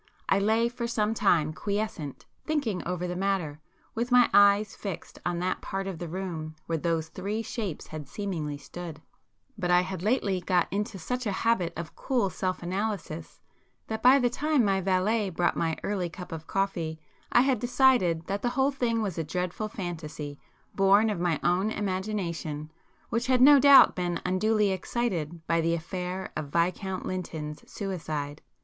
I lay for some time quiescent, thinking over the matter, with my eyes fixed on that part of the room where those Three Shapes had seemingly stood; but I had lately got into such a habit of cool self analysis, that by the time my valet brought my early cup of coffee, I had decided that the whole thing was a dreadful fantasy, born of my own imagination, which had no doubt been unduly excited by the affair of Viscount Lynton's suicide.